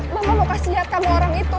mama mau kasih lihat kamu orang itu